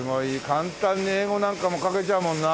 簡単に英語なんかも描けちゃうもんな。